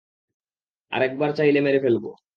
আরেকবার চাইলে মেরে ফেলব!